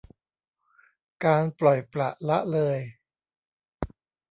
การปล่อยปละละเลย